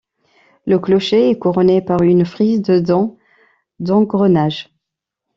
Le clocher est couronné par une frise de dents d'engrenage.